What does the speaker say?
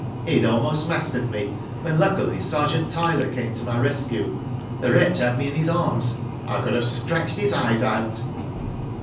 He had almost mastered me when, luckily, Sergeant Tyler came to my rescue. The wretch had me in his arms. I could have scratched his eyes out."